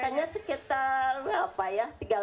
katanya sekitar berapa ya